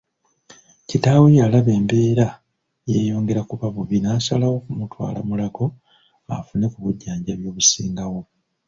Kitaawe yalaba embeera yeeyongera kuba bubi n’asalawo kumutwala Mulago afune ku bujjanjabi obusingawo.